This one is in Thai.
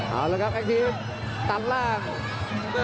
เอาละครับไอ้ทีฟตัดล่าง